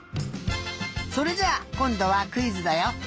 それじゃあこんどはクイズだよ。